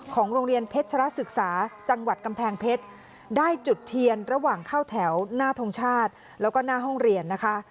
โรงเรียนเพชรศึกษาจังหวัดกำแพงเพชรได้จุดเทียนระหว่างเข้าแถวหน้าทงชาติแล้วก็หน้าห้องเรียนนะคะ